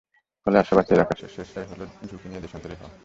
ফলে আশা বাঁচিয়ে রাখার শেষ চেষ্টাই হলো ঝুঁকি নিয়ে দেশান্তরি হওয়া।